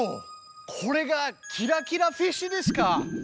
これがキラキラフィッシュですか！